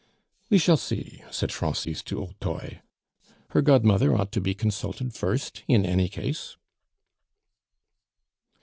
"We shall see," said Francis du Hautoy; "her godmother ought to be consulted first, in any case."